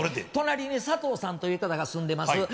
隣に佐藤さんという方が住んでます。